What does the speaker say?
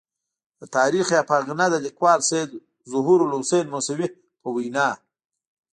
د تاریخ افاغنه د لیکوال سید ظهور الحسین موسوي په وینا.